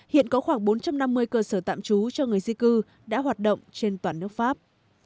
hiện có khoảng bốn trăm năm mươi cơ sở tạm trú cho người di cư đã hoạt động trên toàn nước pháp